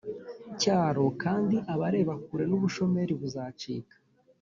cyaro. kandi abareba kure n’ubushomeri buzacika.